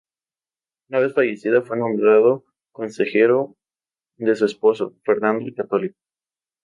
Una vez fallecida, fue nombrado consejero de su esposo, Fernando el Católico.